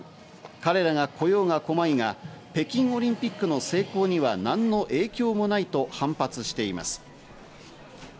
彼らが来ようが来まいが北京オリンピックの成功には何の影響もないと反発しています。